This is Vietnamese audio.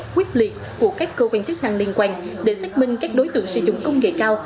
quyết liệt của các cơ quan chức năng liên quan để xác minh các đối tượng sử dụng công nghệ cao